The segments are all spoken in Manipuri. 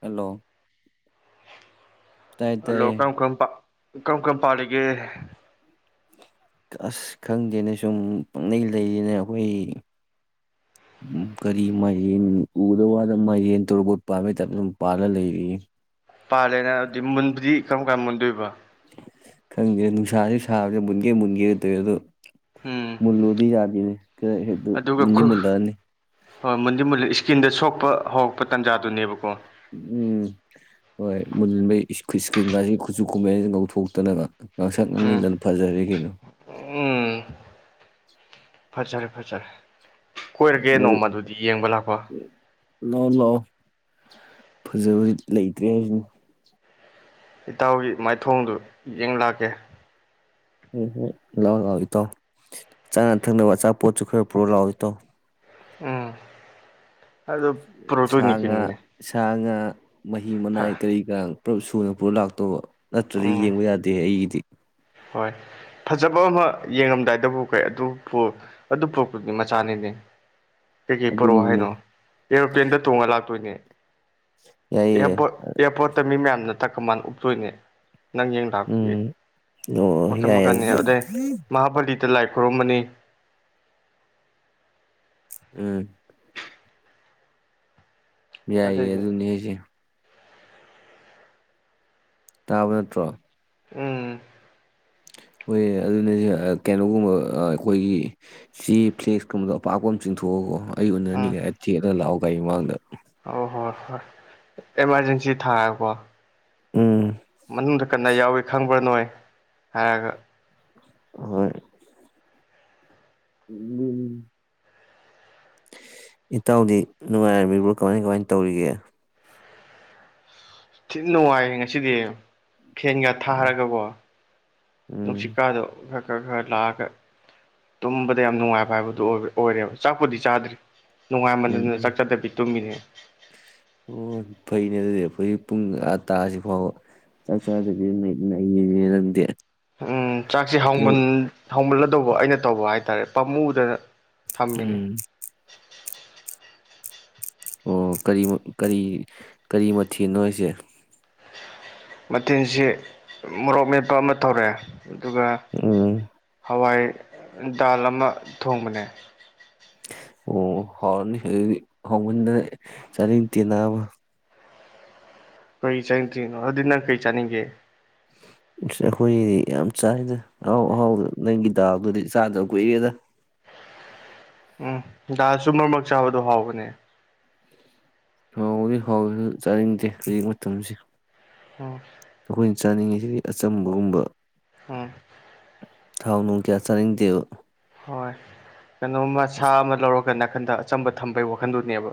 ꯍꯂꯣ ꯍꯜꯂꯣ ꯀꯔꯝ ꯀꯔꯝ ꯀꯔꯝ ꯀꯔꯝ ꯄꯥꯜꯂꯤꯒꯦ ꯑꯁ ꯈꯪꯗꯦꯅ ꯁꯨꯝ ꯄꯛꯂꯩ ꯂꯩꯔꯤꯅ ꯑꯩꯈꯣꯏ [inaudible] ꯎꯝ ꯀꯔꯤ ꯃꯥꯌꯦꯟ ꯎꯗ ꯋꯥꯗ ꯃꯥ ꯌꯦꯟ ꯇꯣꯔꯕꯣꯠ ꯄꯥꯝꯕꯩ ꯇꯥꯏꯇ ꯑꯗꯨꯝ ꯄꯥꯜꯂ ꯂꯩꯔꯤ ꯄꯥꯜꯂꯦꯅ ꯑꯗꯨꯗꯤ ꯃꯨꯟꯕꯨꯗꯤ ꯀꯔꯝ ꯀꯥꯟ ꯃꯨꯟꯗꯣꯏꯕ ꯈꯪꯗꯦ ꯅꯨꯡꯁꯥꯥꯁꯦ ꯁꯥꯕꯁꯦ ꯃꯨꯟꯒꯦ ꯃꯨꯟꯒꯦ ꯇꯧꯋꯦ ꯑꯗꯣ ꯎꯝ ꯃꯨꯂꯨꯗꯤ ꯌꯥꯗꯦ ꯈꯔ ꯍꯦꯛꯇ ꯑꯗꯨꯒ ꯃꯨꯟꯗꯤ ꯈꯨ ꯃꯨꯂꯛꯑꯅꯤ ꯍꯣꯏ ꯃꯨꯟꯗꯤ ꯃꯨꯟꯜꯂꯤ ꯏꯁꯀꯤꯟꯗ ꯁꯣꯛꯄ ꯍꯧꯔꯛꯄ ꯇꯥꯟꯖꯥꯗꯨꯅꯦꯕꯀꯣ ꯎꯝ ꯍꯣꯏ ꯃꯨꯟꯕꯩ ꯏꯁꯀ꯭ꯔꯤꯟ ꯀꯁꯤ ꯈꯨꯠꯁꯨ ꯈꯨꯨꯝꯃꯦꯟ ꯒꯥꯏꯁꯤ ꯉꯧꯊꯣꯛꯇꯅꯕ ꯉꯥꯡꯁꯛ ꯎꯝ ꯉꯪꯅꯤꯗꯅ ꯐꯖꯔꯤ ꯀꯩꯅꯣ ꯎꯝ ꯐꯖꯔꯦ ꯐꯖꯔꯦ ꯀꯣꯏꯔꯒꯦ ꯃꯔꯨꯞ ꯅꯣꯡꯃ ꯑꯗꯨꯗꯤ ꯌꯦꯡꯕ ꯂꯥꯛꯄ ꯂꯥꯎ ꯂꯥꯎ ꯐꯖꯕꯗꯤ ꯂꯩꯇ꯭ꯔꯦ ꯍꯥꯏꯁꯤꯅ ꯏꯇꯥꯎꯒꯤ ꯃꯥꯏꯊꯣꯡꯗꯨ ꯌꯦꯡ ꯂꯥꯛꯀꯦ ꯍꯣꯏ ꯍꯣꯏ ꯂꯥꯎ ꯂꯥꯎ ꯏꯇꯥꯎ ꯆꯥꯅ ꯊꯛꯅꯕ ꯑꯆꯥꯄꯣꯠꯁꯨ ꯈꯔ ꯄꯨꯔꯣ ꯂꯥꯛꯑꯣ ꯏꯇꯥꯎ ꯎꯝ ꯑꯗꯨ ꯁꯥ ꯄꯨꯔꯛꯇꯣꯏꯅꯤ ꯉꯥ ꯀꯩꯅꯣꯅꯦ ꯁꯥ ꯉꯥ ꯃꯍꯤ ꯐ ꯃꯅꯥꯏ ꯀꯔꯤ ꯀꯔꯥ ꯄꯨꯂꯞ ꯁꯨꯅ ꯄꯨꯔꯞ ꯂꯥꯛꯇꯧꯕ ꯅꯠꯇ꯭ꯔꯗꯤ ꯎꯝ ꯌꯦꯡꯕ ꯌꯥꯗꯦ ꯑꯩꯒꯤꯗꯤ ꯍꯣꯏ ꯐꯖꯕ ꯑꯃ ꯌꯦꯡꯉꯝꯗꯥꯏꯗꯕꯨ ꯀꯩ ꯑꯗꯨ ꯑꯗꯨ ꯄꯣꯔꯛꯄꯗꯤꯃꯆꯥꯅꯤꯅꯦ ꯀꯩꯀꯩ ꯄꯣꯔꯛꯑꯣ ꯑꯗꯨꯅꯤꯅꯦ ꯍꯥꯏꯅꯣ ꯑꯦꯔꯣꯄ꯭ꯂꯦꯟꯗ ꯇꯣꯡꯉ ꯂꯥꯛꯇꯣꯏꯅꯦ ꯌꯥꯏꯌꯦ ꯑꯦꯌꯥꯔꯄꯠ ꯑꯦꯌꯥꯔꯄꯣꯔꯠꯇ ꯃꯤ ꯃꯌꯥꯝꯅ ꯇꯛꯀ ꯃꯥꯥꯟ ꯎꯞꯇꯣꯏꯅꯦ ꯅꯪ ꯌꯦꯡ ꯂꯥꯛꯄꯒꯤ ꯎꯝ ꯑꯣ ꯃꯈꯟ ꯌꯥꯏꯌꯦ ꯃꯈꯟꯅꯤ ꯑꯗꯨꯁꯨ ꯑꯗꯩ ꯃꯍꯥꯕꯂꯤ ꯗ ꯂꯥꯏ ꯈꯨꯔꯨꯝꯃꯅꯤ ꯎꯝ ꯌꯥꯏꯌꯦ ꯑꯗꯒꯤ ꯑꯗꯨꯅꯦ ꯍꯥꯏꯁꯦ ꯇꯥꯕ ꯅꯠꯇ꯭ꯔꯣ ꯎꯝ ꯍꯣꯏ ꯑꯗꯨꯅꯦ ꯀꯩꯅꯣꯒꯨꯝꯕ ꯑꯈꯣꯏꯒꯤ ꯆꯦ ꯐ꯭ꯂꯦꯛꯁꯀꯨꯝꯕꯗꯣ ꯑꯄꯥꯛꯄ ꯆꯤꯡꯊꯣꯛꯑꯀꯣ ꯑꯩ ꯎꯅꯅꯤꯒ ꯊꯦꯛꯂꯒ ꯂꯥꯛꯑꯣ ꯒꯥꯔꯤ ꯃꯃꯥꯡꯗ ꯍ ꯍꯣꯏ ꯍꯣꯏ ꯑꯦꯃꯥꯔꯖꯦꯟꯁꯤ ꯊꯥꯔꯒꯀꯣ ꯎꯝ ꯃꯅꯨꯡꯗ ꯀꯟꯅ ꯌꯥꯎꯏ ꯈꯪꯕ꯭ꯔꯥ ꯅꯣꯏ ꯍꯥꯏꯔꯒ ꯍꯣꯏ ꯎꯝ ꯏꯇꯥꯎꯗꯤ ꯅꯨꯡꯉꯥꯏꯔꯝꯃꯤꯕꯨ ꯀꯃꯥꯏ ꯀꯃꯥꯏ ꯇꯧꯔꯤꯒꯦ ꯊꯤꯟ ꯅꯨꯡꯉꯥꯏ ꯉꯁꯤꯗꯤ ꯐꯦꯟꯒ ꯊꯥꯔꯒꯊꯣ ꯎꯝ ꯅꯨꯡꯁꯤꯠꯀꯥꯗꯣ ꯈ ꯈꯔ ꯈꯔ ꯂꯥꯛꯑꯒ ꯇꯨꯝꯕꯗ ꯌꯥꯝ ꯅꯨꯡꯉꯥꯏꯕ ꯍꯥꯏꯕꯗꯨ ꯑꯣꯏꯔꯦꯕ ꯆꯥꯛꯄꯨꯗꯤ ꯆꯥꯗ꯭ꯔꯤ ꯅꯨꯡꯉꯥꯏꯃꯟꯗꯅ ꯎꯝ ꯆꯥꯛ ꯆꯗꯕꯤ ꯇꯨꯝꯃꯤꯅꯦ ꯑꯣ ꯐꯩꯅꯦ ꯑꯗꯨꯗꯤ ꯑꯈꯣꯏ ꯄꯨꯡ ꯀꯇꯥꯁꯤ ꯐꯥꯎꯕ ꯆꯥꯛ ꯆꯗꯕꯤꯗ ꯅꯩꯗꯤ ꯅꯩꯕꯅꯦ ꯅꯪꯗꯤ ꯎꯝ ꯆꯥꯛ ꯁꯤ ꯀꯩꯅꯣ ꯍꯥꯎꯃꯜꯂꯗꯧꯕ ꯑꯩꯅ ꯇꯧꯕ ꯍꯥꯏꯇꯥꯔꯦ ꯄꯥꯝꯃꯨꯗꯅ ꯊꯝ ꯃꯤꯅꯦ ꯎꯝ ꯑꯣ ꯀꯔꯤ ꯀꯔꯤ ꯀꯔꯤ ꯃꯊꯦꯜꯅꯣ ꯍꯥꯏꯁꯦ ꯃꯊꯦꯜꯁꯤ ꯃꯣꯔꯣꯛ ꯃꯦꯠꯄ ꯑꯃ ꯇꯧꯔꯛꯑꯦ ꯑꯗꯨꯒ ꯎꯝ ꯍꯋꯥꯏ ꯗꯥꯜ ꯑꯃ ꯊꯣꯡꯕꯅꯦ ꯑꯣ ꯍꯥꯎꯔꯅꯤ ꯑꯗꯨꯗꯤ ꯍꯥꯎꯃꯟꯗꯅ ꯆꯅꯤꯡꯇꯦ ꯅꯕꯥ ꯀꯔꯤ ꯆꯥꯅꯤꯡꯇ꯭ꯔꯤꯅꯣ ꯑꯗꯨꯗꯤ ꯅꯪ ꯀꯩ ꯆꯥꯅꯤꯡꯒꯦ ꯑꯈꯣꯏꯗꯤ ꯌꯥꯝ ꯆꯥꯏꯗ ꯑꯍꯥꯎ ꯑꯍꯥꯎꯕꯗ ꯅꯪꯒꯤ ꯗꯥꯜꯗꯨꯗꯤ ꯆꯥꯗꯕ ꯀꯨꯏꯔꯦꯗ ꯎꯝ ꯗꯥꯜꯁꯨ ꯃꯔꯛ ꯃꯔꯛ ꯆꯥꯕꯗꯣ ꯍꯥꯎꯕꯅꯦ ꯍꯥꯎꯕꯨꯗꯤ ꯍꯥꯎꯔꯁꯨ ꯆꯥꯅꯤꯡꯇꯦ ꯍꯧꯖꯤꯛ ꯃꯇꯝꯁꯤ ꯑꯣ ꯆꯥꯅꯤꯡꯉꯤꯁꯤꯗꯤ ꯑꯆꯝꯕꯒꯨꯝꯕ ꯎꯝ ꯊꯥꯎ ꯅꯨꯡ ꯀꯌꯥ ꯆꯥꯅꯤꯡꯗꯦꯕ ꯍꯣꯏ ꯀꯩꯅꯣꯝꯃ ꯁꯥ ꯑꯃ ꯂꯧꯔꯒ ꯅꯥꯀꯟꯗ ꯑꯆꯝꯕ ꯊꯝꯕꯒꯤ ꯋꯥꯈꯟꯗꯨꯅꯦꯕ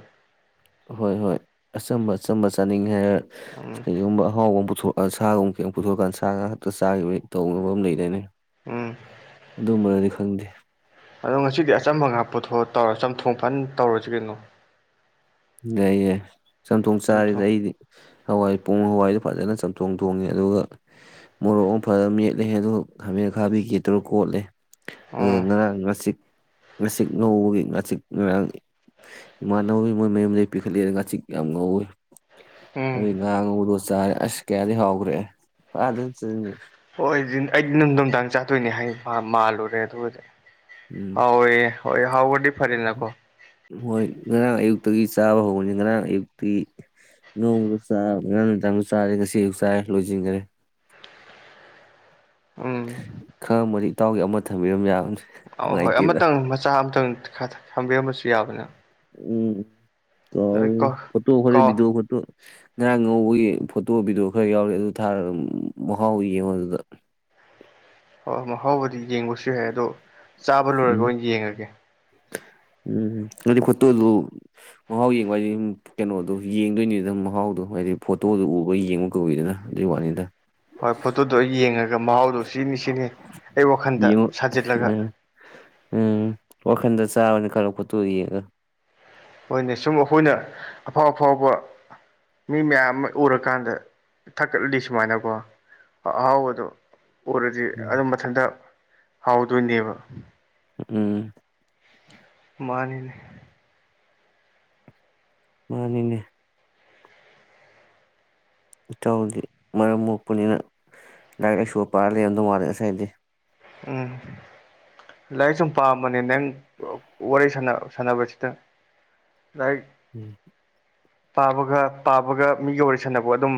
ꯍꯣꯏ ꯍꯣꯏ ꯑꯆꯝꯕ ꯑꯆꯝꯕ ꯆꯥꯅꯤꯡꯉꯦ ꯍꯥꯏꯔ ꯎꯝ ꯀꯩꯒꯨꯝꯕ ꯑꯍꯥꯎꯕ ꯄꯨꯊꯣꯛ ꯁꯥꯒꯨꯝ ꯀꯩ ꯄꯨꯊꯣꯛꯑꯀꯥꯟꯗ ꯁꯥ ꯉꯥꯛꯇ ꯆꯥꯈꯤꯕꯒꯤ ꯇꯧꯕ ꯑꯃ ꯂꯩꯗꯥꯏꯅꯤ ꯎꯝ ꯑꯗꯨꯝꯕꯔꯗꯤ ꯈꯪꯗꯦ ꯑꯗꯣ ꯉꯁꯤꯗꯤ ꯑꯆꯝꯕ ꯉꯥꯛ ꯄꯨꯊꯣꯛꯑ ꯇꯧꯔ ꯆꯝꯊꯣꯡ ꯐꯅ ꯇꯧꯔꯁꯤ ꯀꯩꯅꯣ ꯂꯩꯌꯦ ꯆꯝꯊꯣꯡ ꯆꯥꯔꯦꯗ ꯑꯩꯗꯤ ꯍꯋꯥꯏ ꯄꯣꯡ ꯍꯋꯥꯏꯗꯨ ꯐꯖꯅ ꯆꯝꯊꯣꯡ ꯊꯣꯡꯉꯦ ꯑꯗꯨꯒ ꯃꯣꯔꯣꯛ ꯑꯃ ꯐꯖꯅ ꯃꯦꯠꯂꯦ ꯑꯗꯨꯗ ꯈꯥꯃꯦ ꯑꯈꯥꯕꯤꯒ ꯇꯧꯔꯒ ꯀꯣꯠꯂꯦ ꯑꯗꯨꯒ ꯎꯝ ꯉꯔꯥꯡ ꯉꯆꯤꯛ ꯉꯥꯆꯤꯛ ꯉꯧꯕꯒꯤ ꯉꯥꯆꯤꯛ ꯉꯔꯥꯡ ꯏꯃꯥꯟꯅꯕ ꯃꯣꯏ ꯃꯌꯨꯝꯗꯒꯤ ꯄꯤꯈꯠꯂꯦ ꯉꯥꯆꯤꯛ ꯌꯥꯝ ꯉꯧꯋꯤ ꯎꯝ ꯑꯗꯨꯒꯤ ꯉꯥ ꯑꯉꯧꯕꯗꯣ ꯆꯔꯦ ꯑꯁ ꯀꯌꯥꯗꯤ ꯍꯥꯎꯒ꯭ꯔꯦ ꯐꯖꯅ ꯆꯥꯔꯦ ꯍꯣꯏꯑꯩꯗꯤ ꯑꯩꯗꯤ ꯅꯨꯡꯗꯥꯡ ꯆꯥꯗꯣꯏꯅꯦ ꯍꯥꯏ ꯃꯥꯜꯂꯨꯔꯦ ꯑꯗꯨꯒꯗꯤ ꯎꯝ ꯍꯥꯎꯑꯦ ꯍꯣꯏ ꯍꯥꯎꯕꯅꯗꯤ ꯐꯔꯦꯅꯀꯣ ꯍꯣꯏ ꯉꯔꯥꯡ ꯑꯌꯨꯛꯇꯒꯤ ꯆꯥꯕ ꯍꯧꯕꯅꯤ ꯉꯔꯥꯡ ꯑꯌꯨꯛꯇꯤ ꯅꯣꯡꯃꯗ ꯆꯥ ꯉꯔꯥꯡ ꯅꯨꯡꯗꯥꯡꯁꯨ ꯆꯥꯔꯦ ꯉꯁꯤ ꯑꯌꯨꯛꯁꯨ ꯆꯥꯔꯦ ꯂꯣꯏꯖꯤꯟꯒꯔꯦ ꯎꯝ ꯈꯪꯉꯝꯃꯗꯤ ꯏꯇꯥꯎꯒꯤ ꯑꯃ ꯊꯝꯕꯤꯔꯝ ꯌꯥꯕꯅꯤ ꯑꯥꯎ ꯍꯣꯏ ꯅꯨꯡꯉꯥꯏꯇꯦꯗ ꯑꯃꯇꯪ ꯃꯆꯥ ꯑꯃꯇꯪ ꯈꯔ ꯊꯝꯕꯤꯔꯝꯃꯁꯨ ꯌꯥꯕꯅꯤ ꯎꯝ ꯀꯣ ꯇꯧꯔꯤꯁꯦ ꯐꯣꯇꯣ ꯈꯔ ꯀꯣ ꯚꯤꯗꯤꯑꯣ ꯐꯣꯇꯣ ꯉꯔꯥꯡ ꯉꯧꯕꯒꯤ ꯐꯣꯇꯣ ꯚꯤꯗꯤꯑꯣ ꯈꯔ ꯌꯥꯎꯔꯤ ꯑꯗꯨ ꯊꯥꯔꯒ ꯃꯍꯥꯎ ꯌꯦꯡꯉꯣ ꯑꯗꯨꯗ ꯍꯣꯏ ꯃꯍꯥꯎꯕꯨꯗꯤ ꯌꯦꯡꯕꯁꯨ ꯌꯥꯏ ꯑꯗꯣ ꯆꯥꯕ ꯂꯣꯏꯔꯒ ꯎꯝ ꯑꯣꯏꯅ ꯌꯦꯡꯉꯒꯦ [inaudible] ꯎꯝ ꯑꯗꯨꯗꯤ ꯐꯣꯇꯣꯗꯨ ꯃꯍꯥꯎ ꯌꯦꯡꯕ ꯍꯥꯏꯗꯤ ꯀꯩꯅꯣꯗꯣ ꯌꯦꯡꯗꯣꯏꯅꯤꯗꯅ ꯃꯍꯥꯎꯗꯣ ꯍꯥꯏꯗꯤ ꯐꯣꯇꯣꯗꯨ ꯎꯕꯒ ꯌꯦꯡꯕ ꯀꯧꯏꯗꯅ ꯑꯗꯨꯒꯤ ꯋꯥꯅꯤꯗ ꯍꯣꯏ ꯐꯣꯇꯣꯗꯣ ꯑꯩ ꯌꯦꯡꯉꯒꯦ ꯃꯍꯥꯎꯗꯣ ꯁꯤꯅꯤ ꯁꯤꯅꯤ ꯑꯩ ꯋꯥꯈꯟꯗ ꯌꯦꯡꯉꯣ ꯁꯥꯖꯤꯜꯂꯒ ꯎꯝ ꯎꯝ ꯋꯥꯈꯟꯗ ꯆꯥꯕꯅꯤ ꯈꯜꯂꯣ ꯐꯣꯇꯣ ꯌꯦꯡꯉꯒ ꯍꯣꯏꯅꯦ ꯁꯨꯝ ꯑꯩꯈꯣꯏꯅ ꯑꯐꯥꯎ ꯑꯐꯥꯎꯕ ꯃꯤ ꯃꯌꯥꯝ ꯑꯃ ꯎꯔꯀꯥꯟꯗ ꯊꯛꯀꯠꯂꯗꯤ ꯁꯨꯃꯥꯏꯅꯀꯣ ꯑꯍꯥꯎꯕꯗꯣ ꯎꯔꯗꯤ ꯑꯗꯨꯝ ꯃꯊꯟꯇ ꯍꯥꯎꯗꯣꯏꯅꯦꯕ ꯎꯝ ꯃꯥꯅꯤꯅꯦ ꯃꯥꯅꯤꯅꯦ ꯇꯥꯎꯗꯤ ꯃꯔꯝ ꯃꯣꯛꯄꯅꯤꯅ ꯂꯥꯏꯔꯤꯛ ꯂꯥꯏꯁꯨꯒ ꯄꯥꯔ ꯂꯩꯔꯝꯗꯧ ꯃꯥꯂꯦ ꯉꯁꯥꯏꯗꯤ ꯎꯝ ꯂꯥꯏꯔꯤꯛ ꯁꯨꯝ ꯄꯥꯝꯔꯝꯕꯅꯦ ꯅꯪ ꯋꯥꯔꯤ ꯁꯟꯅ ꯁꯥꯟꯅꯕꯁꯤꯗ ꯂꯥꯏꯔꯤꯛ ꯎꯝ ꯄꯥꯕꯒ ꯄꯥꯕꯒ ꯃꯤꯒ ꯋꯥꯔꯤꯁꯥꯟꯅꯕ ꯑꯗꯨꯝ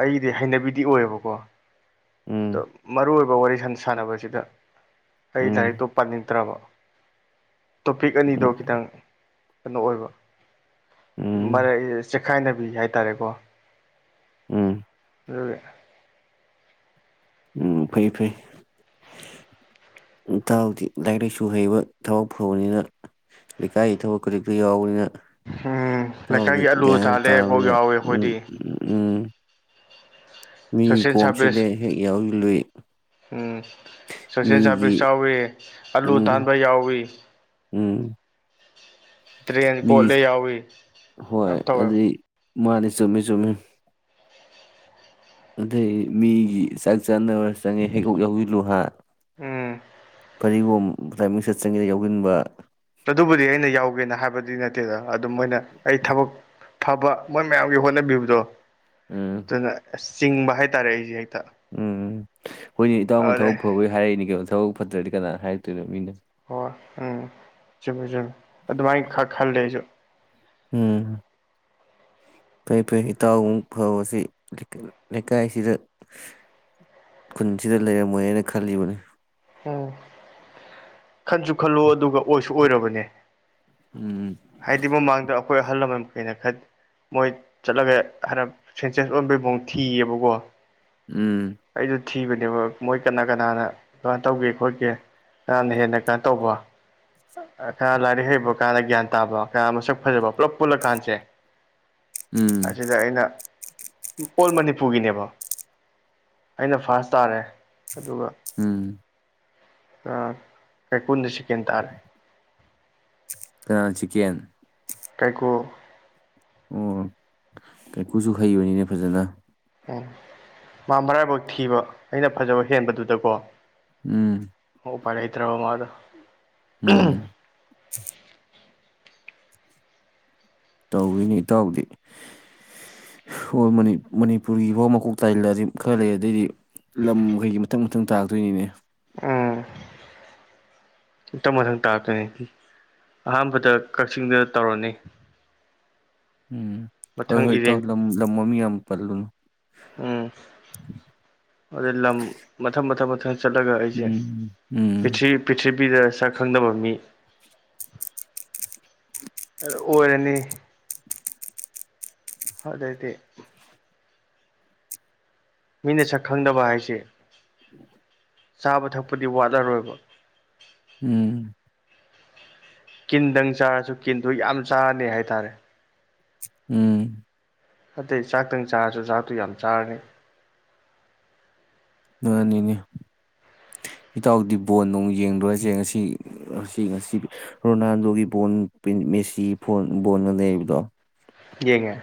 ꯑꯩꯗꯤ ꯍꯩꯅꯕꯤꯗꯤ ꯑꯣꯏꯌꯦꯕꯀꯣ ꯎꯝ ꯑꯗꯣ ꯃꯔꯨꯑꯣꯏꯕ ꯋꯥꯔꯤ ꯁꯟ ꯁꯥꯟꯅꯕꯁꯤꯗ ꯑꯩ ꯎꯝ ꯂꯥꯏꯔꯤꯛꯇꯣ ꯄꯥꯅꯤꯡ ꯅꯠꯇ꯭ꯔꯕ ꯇꯣꯄꯤꯛ ꯑꯅꯤꯗꯣ ꯈꯤꯇꯪ ꯀꯩꯅꯣ ꯑꯣꯏꯕ ꯎꯝ ꯃꯔ ꯆꯦꯛꯈꯥꯏꯅꯕꯤ ꯍꯥꯏꯇꯥꯔꯦꯀꯣ ꯎꯝ ꯑꯗꯨꯒꯤ ꯎꯝ ꯐꯩ ꯐꯩ [inaudible] ꯏꯇꯥꯎꯗꯤ ꯂꯥꯏꯔꯤꯛ ꯂꯥꯏꯁꯨ ꯍꯩꯕ ꯊꯥꯕꯛ ꯐꯕꯅꯤꯅ ꯂꯩꯀꯥꯏꯒꯤ ꯊꯕꯛ ꯈꯨꯗꯤꯛꯇ ꯌꯥꯎꯕꯔꯤꯅ ꯎꯝ ꯏꯇꯥꯎꯗꯤ ꯂꯩꯀꯥꯏꯒꯤ ꯑꯂꯨ ꯒ꯭ꯌꯥꯟ ꯌꯥꯝ ꯊꯥꯜꯂꯦ ꯀꯣꯛ ꯇꯥꯕꯅꯤꯅ ꯌꯥꯎꯋꯦ ꯎꯝ ꯑꯩꯈꯣꯏꯗꯤ ꯎꯝ ꯎꯝ ꯃꯤ ꯁꯣꯁꯦꯜ ꯁꯥꯔꯚꯤꯁ ꯀꯣꯝꯁꯤꯜꯂꯦ ꯍꯦꯛ ꯌꯥꯎꯁꯤꯜꯂꯨꯏ ꯎꯝ ꯁꯣꯁꯦꯜ ꯃꯤꯒꯤ ꯁꯥꯔꯚꯤꯁ ꯌꯥꯎꯏꯤ ꯑꯂꯨ ꯎꯝ ꯇꯥꯟꯕ ꯌꯥꯎꯋꯤ ꯎꯝ ꯗ꯭ꯔꯦꯟ ꯃꯤ ꯀꯣꯠꯂꯦ ꯌꯥꯎꯋꯤ ꯍꯣꯏ ꯌꯥꯝ ꯇꯧꯋꯦꯕ ꯑꯗꯨ ꯃꯥꯅꯤ ꯆꯨꯝꯃꯤ ꯆꯨꯝꯃꯤ ꯑꯗꯨꯏ ꯃꯤꯒꯤ ꯆꯛ ꯆꯠꯅꯕ ꯆꯪꯉꯦ ꯍꯦꯛ ꯎꯒꯤꯒꯨꯝ ꯂꯨꯍꯥ ꯎꯝ ꯐꯗꯤꯒꯣꯝ ꯇꯥꯏꯃꯤꯡꯁꯦꯠ ꯆꯤꯡꯉꯦ ꯌꯥꯎꯖꯤꯟꯕ ꯑꯗꯨꯕꯨꯗꯤ ꯑꯩꯅ ꯌꯥꯎꯒꯦꯅ ꯍꯥꯏꯕꯗꯤ ꯅꯠꯇꯦꯗ ꯑꯗꯨꯝ ꯃꯣꯏꯅ ꯑꯩ ꯊꯕꯛ ꯐꯕ ꯃꯣꯏ ꯃꯌꯥꯝꯒꯤ ꯍꯣꯠꯅꯕꯤꯕꯗꯣ ꯎꯝ ꯑꯗꯨꯅ ꯑꯁ ꯆꯤꯡꯕ ꯍꯥꯏꯇꯥꯔꯦ ꯑꯩꯖꯦ ꯎꯝꯝ ꯍꯣꯏꯅꯦ ꯏꯇꯥꯎꯅ ꯑꯗꯨꯗꯩ ꯊꯕꯛ ꯐꯕꯒꯤ ꯍꯥꯏꯔꯛꯏꯅꯤ ꯀꯩꯅꯣ ꯊꯕꯛ ꯐꯠꯇ꯭ꯔꯗꯤ ꯀꯅꯥ ꯍꯥꯏꯔꯛꯇꯣꯏꯅꯣ ꯃꯤꯅ ꯍꯣꯏ ꯎꯝ ꯆꯨꯝꯃꯦ ꯆꯨꯝꯃꯦ ꯑꯗꯨꯃꯥꯏꯅ ꯈ ꯈꯜꯂꯦ ꯑꯩꯁꯨ ꯎꯝ ꯐꯩꯐꯩ ꯏꯇꯥꯎꯃꯨꯛ ꯐꯕꯁꯤ ꯂꯩꯀꯥꯏꯁꯤꯗ ꯈꯨꯟꯁꯤꯗ ꯂꯩꯔꯝꯃꯣꯏ ꯍꯥꯏꯅ ꯈꯜꯂꯤꯕꯅꯦ ꯎ ꯈꯟꯁꯨ ꯈꯜꯂꯨ ꯑꯗꯨꯒ ꯑꯣꯏꯁꯨ ꯑꯣꯏꯔꯕꯅꯦ ꯎꯝ ꯍꯥꯏꯗꯤ ꯃꯃꯥꯡꯗ ꯑꯩꯈꯣꯏ ꯑꯍꯜ ꯂꯃꯟ ꯀꯩꯅ ꯈ ꯃꯣꯏ ꯆꯠꯂꯒ ꯍꯥꯏꯔ ꯁꯦꯟꯁꯦꯁ ꯑꯣꯟꯕꯩ ꯃꯑꯣꯡ ꯊꯤꯌꯦꯕꯀꯣ ꯎꯝ ꯑꯩꯗꯣ ꯊꯤꯕꯅꯦꯕ ꯃꯣꯏ ꯀꯅꯥ ꯀꯅꯥꯅ ꯀꯃꯥꯢ ꯇꯧꯒꯦ ꯈꯣꯠꯀꯦ ꯅꯍꯥꯟꯅ ꯍꯦꯟꯅ ꯀꯩꯅꯣ ꯇꯧꯕ ꯈꯔ ꯂꯥꯏꯔꯤꯛ ꯍꯩꯕ ꯀꯅ ꯒ꯭ꯌꯥꯟ ꯇꯥꯕ ꯈꯔ ꯃꯁꯛ ꯐꯖꯕ ꯄꯨꯂꯞ ꯄꯨꯜꯂ ꯀꯥꯟꯁꯦ ꯎꯝ ꯑꯁꯤꯗ ꯑꯩꯅ ꯑꯣꯜ ꯃꯅꯤꯄꯨꯔꯒꯤꯅꯦꯕ ꯑꯩꯅ ꯐꯥꯔꯁ ꯇꯥꯔꯦ ꯑꯗꯨꯒ ꯎꯝ ꯑꯁ ꯀꯩꯀꯨꯅ ꯁꯦꯛꯀꯦꯟ ꯇꯔꯦ ꯀꯥꯅꯅ ꯁꯦꯀꯦꯟ ꯀꯥꯏꯀꯨ ꯑꯣ ꯀꯩꯀꯨꯁꯨ ꯍꯩꯕꯅꯤꯅꯦ ꯐꯖꯅ ꯎꯝ ꯃꯥ ꯃꯔꯥꯏꯕꯧ ꯊꯤꯕ ꯑꯩꯅ ꯐꯖꯕ ꯍꯦꯟꯕꯗꯨꯗꯀꯣ ꯎꯝ ꯎ ꯄꯥꯏ ꯂꯩꯇ꯭ꯔꯕ ꯃꯥꯗꯣ ꯎꯝ ꯇꯧꯋꯤꯅꯤ ꯏꯇꯥꯎꯗꯤ ꯁꯣ ꯃꯅꯤ ꯃꯅꯤꯄꯨꯔꯒꯤꯐꯥꯎ ꯃꯀꯣꯛ ꯇꯥꯏꯂꯖꯤ ꯈꯔ ꯂꯩꯔꯗꯤ ꯂꯝꯈꯩꯒꯤ ꯃꯊꯪ ꯃꯊꯪ ꯇꯥꯗꯣꯏꯅꯤꯅꯦ ꯎꯝ ꯃꯊꯪ ꯃꯊꯪ ꯇꯥꯛꯔꯇꯣꯏꯅꯤ ꯑꯍꯥꯟꯕꯗ ꯀꯛꯆꯤꯡꯗ ꯇꯧꯔꯅꯤ ꯎꯝ ꯍꯣꯏ ꯃꯊꯪ ꯍꯣꯏ ꯏꯇꯥꯎ ꯏꯔꯦꯡ ꯂꯝ ꯂꯝ ꯃꯥꯃꯤꯡ ꯌꯥꯝ ꯄꯜꯂꯨꯅ ꯑꯗꯨꯗꯩ ꯂꯝ ꯃꯊꯪ ꯃꯊꯪ ꯃꯊꯪ ꯆꯠꯂꯒ ꯑꯩꯁꯦ ꯎꯝ ꯎꯝ ꯄ꯭ꯔꯤꯊꯤ ꯄ꯭ꯔꯤꯊꯤ ꯅꯨꯄꯤꯗ ꯁꯛ ꯈꯪꯅꯕ ꯃꯤ ꯑ ꯑꯣꯏꯔꯅꯤ ꯑꯗꯩꯗꯤ ꯃꯤꯅ ꯁꯛ ꯈꯪꯗꯕ ꯍꯥꯏꯁꯦ [inaudible] ꯆꯥꯕ ꯊꯛꯄꯗꯤ ꯋꯥꯠꯂꯔꯣꯏꯕ ꯎꯝ ꯀꯤꯟꯗꯪ ꯆꯥꯔꯁꯨ ꯀꯤꯟꯗꯣ ꯌꯥꯝ ꯆꯥꯔꯅꯤ ꯍꯥꯏꯇꯥꯔꯦ ꯎꯝ ꯅꯠꯇꯦ ꯆꯥꯛꯇꯪ ꯆꯥꯔꯁꯨ ꯆꯥꯛꯇꯨ ꯌꯥꯝ ꯆꯥꯔꯅꯤ ꯃꯥꯅꯤꯅꯦ [inaudible] ꯏꯇꯥꯎꯗꯤ ꯕꯣꯜ ꯅꯨꯡ ꯌꯦꯡꯗꯣꯔꯁꯦ ꯉꯁꯤ ꯉꯁꯤ ꯉꯁꯤ ꯔꯣꯅꯥꯜꯗꯣꯒꯤ ꯕꯣꯜ ꯄ꯭ꯔꯤꯠ ꯃꯦꯁꯤ ꯐꯣꯟ ꯕꯣꯟꯒꯅꯩꯕꯗꯣ ꯌꯦꯡꯉꯦ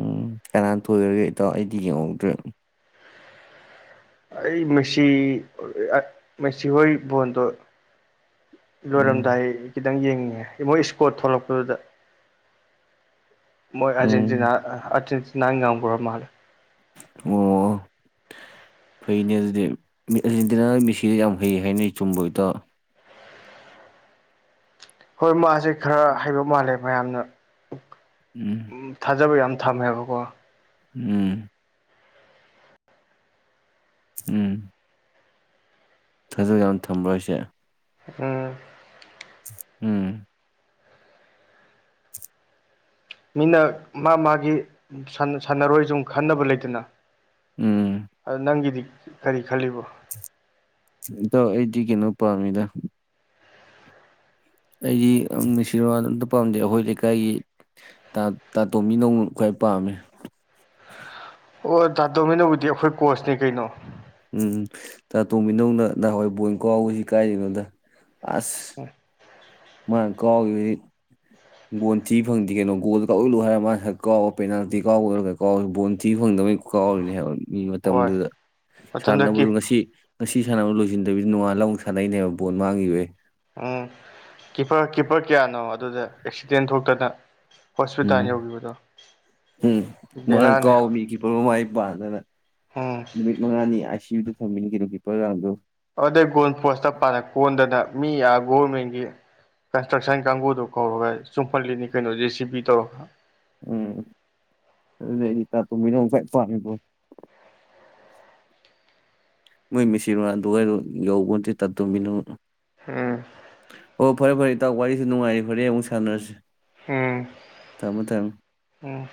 ꯎꯝ ꯀꯅꯥꯅ ꯊꯣꯏꯈ꯭ꯔꯒꯦ ꯏꯇꯥꯎ ꯑꯩꯗꯤ ꯌꯦꯡꯍꯧꯗ꯭ꯔꯦ ꯑꯩ ꯃꯦꯁꯤ ꯃꯦꯁꯤ ꯍꯣꯏꯒꯤ ꯕꯣꯟꯗꯣ ꯎꯝ ꯂꯣꯏꯔꯝꯗꯥꯏ ꯈꯤꯇꯪ ꯌꯦꯡꯉꯦ ꯃꯣꯏ ꯏꯁꯀꯣꯔꯠ ꯊꯣꯛꯂꯛꯄꯗꯨꯗ ꯃꯣꯏ ꯎꯝ ꯑꯔꯖꯦꯟꯇꯤꯅꯥ ꯑꯔꯖꯦꯟꯇꯤꯅꯥ ꯉꯥꯝꯈ꯭ꯔꯃꯥꯜꯂꯦ ꯑꯣ ꯐꯩꯅꯦ ꯑꯗꯨꯗꯤ ꯑꯔꯖꯦꯟꯇꯤꯅꯥꯒꯤ ꯃꯦꯁꯤꯗ ꯌꯥꯝ ꯐꯩ ꯍꯥꯏꯅꯩ ꯆꯨꯝꯕ꯭ꯔꯣ ꯏꯇꯥꯎ ꯍꯣꯏ ꯃꯥꯁꯦ ꯈꯔ ꯍꯩꯕ ꯃꯥꯜꯂꯦ ꯃꯌꯥꯝꯅ ꯎꯝ ꯊꯥꯖꯕ ꯌꯥꯝ ꯊꯝꯃꯦ ꯍꯥꯏꯕꯀꯣ ꯎꯝ ꯎꯝ ꯊꯥꯖ ꯌꯥꯝ ꯊꯝꯕ ꯍꯥꯏꯁꯦ ꯎꯝ ꯎꯝ ꯃꯤꯅ ꯃꯥ ꯃꯥꯒꯤ ꯁꯥꯟꯅꯔꯣꯏ ꯁꯨꯝ ꯈꯟꯅꯕ ꯂꯩꯇꯅ ꯎꯝ ꯑꯥ ꯅꯪꯒꯤꯗꯤ ꯀꯔꯤ ꯈꯜꯂꯤꯕꯣ ꯏꯇꯥꯎ ꯑꯩꯗꯤ ꯀꯩꯅꯣ ꯄꯥꯝꯃꯤꯗ ꯑꯩꯗꯤ ꯃꯦꯁꯤ ꯑꯝꯇ ꯄꯥꯝꯗꯦ ꯑꯩꯈꯣꯏ ꯂꯩꯀꯥꯏꯒꯤ ꯇꯥ ꯇꯣꯝꯕꯤꯅꯧ ꯅ ꯈ꯭ꯋꯥꯏ ꯄꯥꯝꯃꯦ ꯑꯣ ꯇꯥ ꯇꯣꯝꯕꯤꯅꯧꯕꯨꯗꯤ ꯑꯩꯈꯣꯏ ꯀꯣꯆꯅꯦ ꯀꯩꯅꯣ ꯎꯝ ꯇꯥ ꯇꯣꯝꯕꯤꯅꯧꯅ ꯅꯍꯥꯟꯋꯥꯏ ꯕꯣꯜ ꯀꯥꯎꯕꯁꯤ ꯀꯥꯏꯗꯩꯅꯣꯗ ꯑꯁ [unintelligible] ꯃꯥꯅ ꯀꯥꯎꯒꯤꯕꯗꯤ ꯕꯣꯟ ꯊꯤ ꯐꯪꯗꯦ ꯀꯩꯅꯣ ꯒꯣꯜ ꯀꯥꯎꯁꯤꯂꯨ ꯍꯥꯏꯔ ꯃꯥ ꯍꯦꯛ ꯀꯥꯎꯕ ꯄꯦꯅꯥꯜꯇꯤ ꯀꯥꯎꯕ ꯀꯥꯎꯕꯗꯣ ꯕꯣꯟ ꯊꯤ ꯐꯪꯗꯕꯅꯤ ꯀꯥꯎꯔꯤꯅꯦ ꯍꯥꯏꯕ ꯃꯤ ꯍꯣꯏ ꯃꯇꯝꯗꯨꯗ ꯃꯇꯝꯗ ꯁꯥꯟꯅꯕꯗꯣ ꯀꯤꯞ ꯉꯁꯤ ꯉꯁꯤ ꯁꯥꯟꯅꯕ ꯂꯣꯏꯁꯤꯟꯗꯕꯤꯗ ꯅꯣꯡꯉꯥꯟ ꯑꯃꯨꯛ ꯁꯥꯟꯅꯩꯅꯦ ꯍꯥꯏꯕ ꯕꯣꯜ ꯃꯥꯡꯒꯤꯕꯩ ꯎꯝ ꯀꯤꯄꯔ ꯀꯤꯞꯄꯔ ꯀꯌꯥꯅꯣ ꯑꯗꯨꯗ ꯑꯦꯛꯁꯤꯗꯦꯟ ꯊꯣꯛꯇꯅ ꯍꯣꯁꯄꯤꯇꯥꯜ ꯎꯝ ꯌꯧꯈꯤꯕꯗꯣ ꯎꯝ ꯃꯥꯅ ꯕꯦꯔꯥꯅꯦ ꯀꯥꯎ ꯍꯥꯏꯕ ꯃꯤ ꯀꯤꯄꯔ ꯄꯥꯟꯗꯅ ꯎꯝ ꯅꯨꯃꯤꯠ ꯃꯉꯥꯅꯤ ꯑꯥꯏ ꯁꯤ ꯌꯨꯗ ꯊꯝꯃꯤꯅꯤ ꯀꯩꯅꯣ ꯀꯤꯄꯔ ꯔꯥꯎꯟꯗꯣ ꯑꯗꯨꯗꯩ ꯒꯣꯜ ꯄꯣꯁꯇ ꯄꯥꯅ ꯀꯣꯟꯗꯅ ꯃꯤ ꯑꯥ ꯒꯣꯚꯔꯃꯦꯟꯒꯤ ꯀꯟꯁꯇ꯭ꯔꯛꯁꯟ ꯀꯥꯡꯕꯨꯗꯣ ꯀꯧꯔꯒ ꯆꯨꯝꯐꯝꯜꯂꯤꯅꯤ ꯀꯩꯅꯣ ꯖꯦ ꯁꯤ ꯄꯤ ꯇꯧꯔꯒ ꯎꯝ ꯑꯗꯨꯅꯦ ꯑꯩ ꯇꯥ ꯇꯣꯝꯕꯤꯅꯧ ꯈ꯭ꯋꯥꯏ ꯄꯝꯃꯤꯀꯣ ꯃꯣꯏ ꯃꯦꯁꯤ ꯔꯣꯅꯥꯜꯗꯣꯍꯣꯏ ꯌꯧꯕ ꯅꯠꯇꯦ ꯇꯥ ꯇꯣꯝꯕꯤꯅꯧ ꯎꯝ ꯑꯣ ꯐꯔꯦ ꯐꯔꯦ ꯏꯇꯥꯎ ꯋꯥꯔꯤꯁꯨ ꯅꯨꯡꯉꯥꯏꯔꯤ ꯍꯣꯔꯦꯟ ꯑꯃꯨꯛ ꯁꯥꯟꯅꯔꯁꯤ ꯎꯝ ꯊꯝꯃꯣ ꯊꯝꯃꯣ ꯎꯝ